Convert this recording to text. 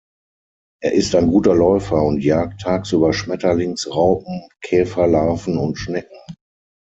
Er ist ein guter Läufer und jagt tagsüber Schmetterlingsraupen, Käferlarven und Schnecken.